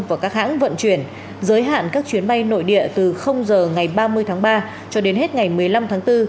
và các hãng vận chuyển giới hạn các chuyến bay nội địa từ giờ ngày ba mươi tháng ba cho đến hết ngày một mươi năm tháng bốn